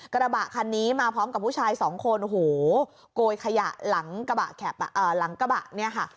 กระบะคันนี้มาพร้อมกับผู้ชาย๒คนโหกลโกยขยะหลังกระบะเนี่ยค่ะ